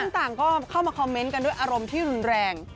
ต่างก็เข้ามาคอมเมนต์กันด้วยอารมณ์ที่รุนแรง